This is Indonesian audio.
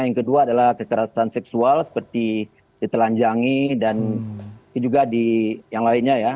yang kedua adalah kekerasan seksual seperti ditelanjangi dan juga di yang lainnya ya